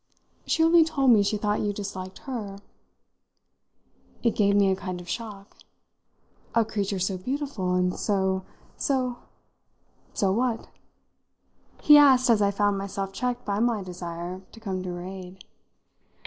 She only told me she thought you disliked her." It gave me a kind of shock. "A creature so beautiful, and so so " "So what?" he asked as I found myself checked by my desire to come to her aid.